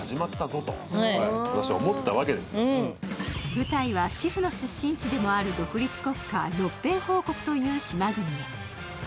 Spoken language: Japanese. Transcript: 舞台はシフの出身地でもある独立国家・六篇法国という島国へ。